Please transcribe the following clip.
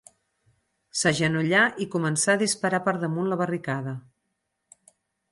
S'agenollà i començà a disparar per damunt la barricada